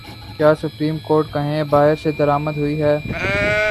کیا supreme court کہیں باہر سے درآمد ہوئی ہے؟